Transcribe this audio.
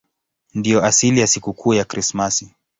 Ndiyo asili ya sikukuu ya Krismasi.